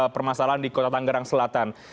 permasalahan di kota tanggerang selatan